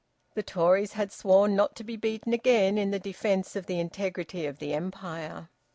The Tories had sworn not to be beaten again in the defence of the integrity of the Empire.